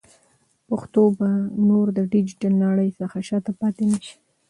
پښتو به نور له ډیجیټل نړۍ څخه شاته پاتې نشي.